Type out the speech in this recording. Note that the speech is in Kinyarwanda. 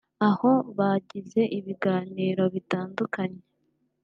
aho bagize ibiganiro bitandukanye